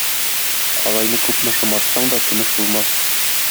Калайны күпме шомартсаң да, көмеш булмас.